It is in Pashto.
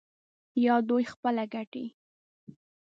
یا دوی خپلې ګټې